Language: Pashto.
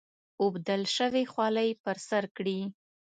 اوبدل شوې خولۍ پر سر کړي.